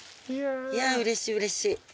いやうれしいうれしい。